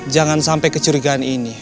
jangan sampai kecurigaan ini